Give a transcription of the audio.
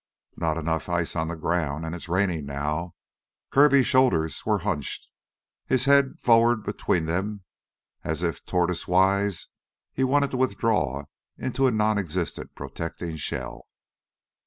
"Not enough ice on the ground; it's rainin' it now!" Kirby's shoulders were hunched, his head forward between them as if, tortoisewise, he wanted to withdraw into a nonexistent protecting shell.